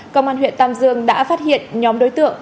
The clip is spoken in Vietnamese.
công an huyện tam dương đã phát hiện nhóm đối tượng